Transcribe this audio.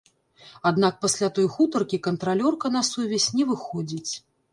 Аднак пасля той гутаркі кантралёрка на сувязь не выходзіць.